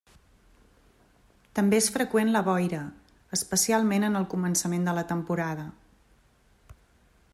També és freqüent la boira, especialment en el començament de la temporada.